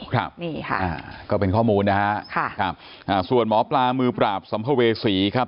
ครับนี่ค่ะอ่าก็เป็นข้อมูลนะฮะค่ะครับอ่าส่วนหมอปลามือปราบสัมภเวษีครับ